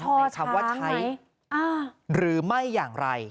ช่อช้างไหนในคำว่าใช้หรือไม่อย่างไร